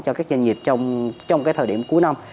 cho các doanh nghiệp trong cái thời điểm cuối năm